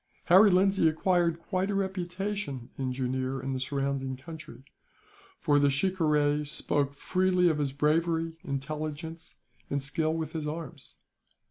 Harry Lindsay acquired quite a reputation in Jooneer and the surrounding country, for the shikaree spoke freely of his bravery, intelligence, and skill with his arms.